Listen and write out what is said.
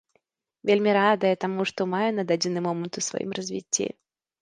Вельмі радая таму, што маю на дадзены момант у сваім развіцці.